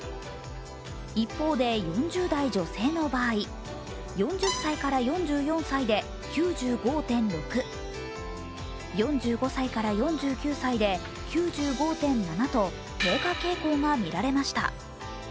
一方で４０代女性の場合、４０歳から４４歳で９５．６、４５歳から４９歳で９５．７と低下傾向がみられました。